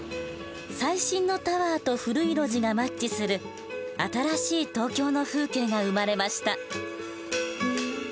最新のタワーと古い路地がマッチする新しい東京の風景が生まれました。